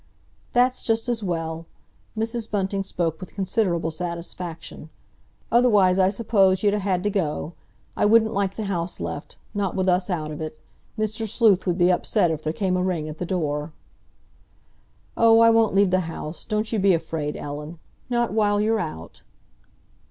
"That's just as well." Mrs. Bunting spoke with considerable satisfaction. "Otherwise I suppose you'd ha' had to go. I wouldn't like the house left—not with us out of it. Mr. Sleuth would be upset if there came a ring at the door." "Oh, I won't leave the house, don't you be afraid, Ellen—not while you're out."